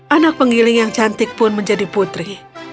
anak penggiling yang cantik pun menjadi putri